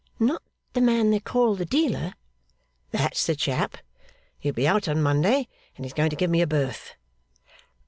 'Not the man they call the dealer?' 'That's the chap. He'll be out on Monday, and he's going to give me a berth.